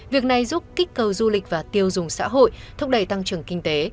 việc này giúp kích cầu du lịch và tiêu dùng xã hội thúc đẩy tăng trưởng kinh tế